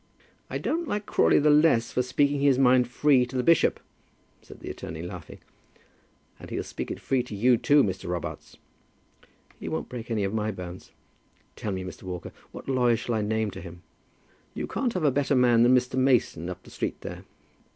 "I don't like Crawley the less for speaking his mind free to the bishop," said the attorney, laughing. "And he'll speak it free to you too, Mr. Robarts." "He won't break any of my bones. Tell me, Mr. Walker, what lawyer shall I name to him?" "You can't have a better man than Mr. Mason, up the street there."